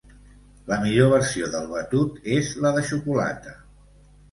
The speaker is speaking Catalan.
La millor versió del batut és la de xocolata.